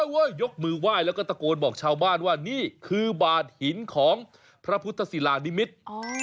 ยกมือไหว้แล้วก็ตะโกนบอกชาวบ้านว่านี่คือบาดหินของพระพุทธศิลานิมิตร